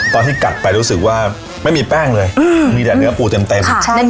ตอนที่กัดไปไม่มีแป้งเลยแต่เหลือกรูเต็ม